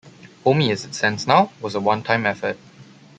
Homie, as it stands now, was a one-time effort.